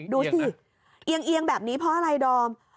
ดูสิเอียงเอียงแบบนี้เพราะอะไรดอม